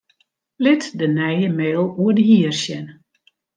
Lit de nije mail oer de hier sjen.